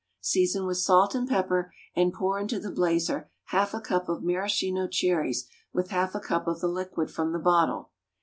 Season with salt and pepper and pour into the blazer half a cup of maraschino cherries with half a cup of the liquid from the bottle.